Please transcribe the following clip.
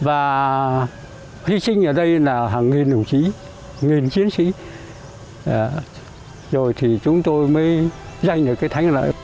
và hy sinh ở đây là hàng nghìn đồng chí nghìn chiến sĩ rồi thì chúng tôi mới giành được cái thắng lợi